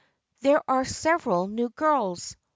There are several new girls.